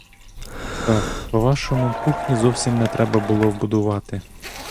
Так, по-вашому, кухні зовсім не треба було будувати.